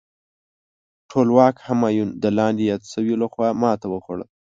ټولواک همایون د لاندې یاد شویو لخوا ماته وخوړه.